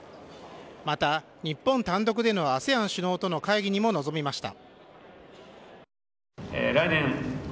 また、日本単独でのＡＳＥＡＮ首脳との会議にも臨みました。